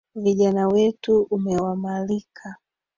Vijana wetu umewamalika.